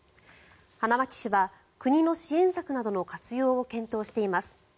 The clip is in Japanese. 花巻市は国の支援策などの活用を検討しています。